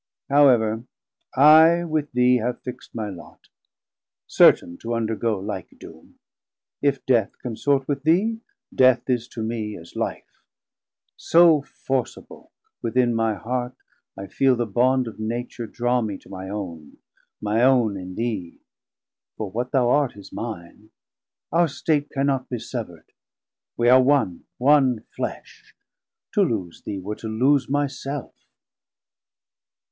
However I with thee have fixt my Lot, Certain to undergoe like doom, if Death Consort with thee, Death is to mee as Life; So forcible within my heart I feel The Bond of Nature draw me to my owne, My own in thee, for what thou art is mine; Our State cannot be severd, we are one, One Flesh; to loose thee were to loose my self.